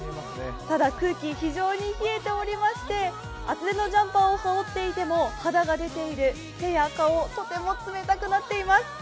ただ空気、非常に冷えておりまして、厚手のジャンパーを羽織っていても、肌が出ている手や顔、とても冷たくなっています。